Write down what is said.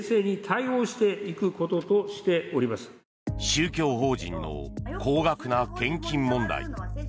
宗教法人の高額な献金問題。